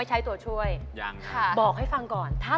ลองดูนะคะ